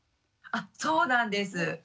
あそうなんです。